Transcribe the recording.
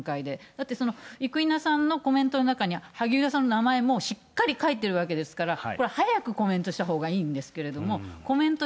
だって生稲さんのコメントの中に、萩生田さんの名前、もうしっかり書いているわけですから、これ早くコメントしたほうがいいんですけれども、コメント